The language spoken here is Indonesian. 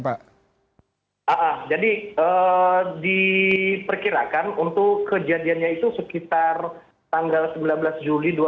jadi diperkirakan untuk kejadiannya itu sekitar tanggal sembilan belas juli dua ribu tujuh belas